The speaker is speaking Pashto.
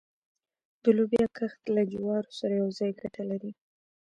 د لوبیا کښت له جوارو سره یوځای ګټه لري؟